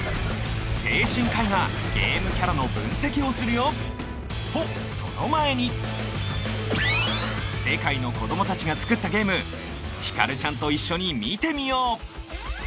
精神科医がゲームキャラの分析をするよ！とその前に世界の子どもたちが作ったゲームひかるちゃんと一緒に見てみよう！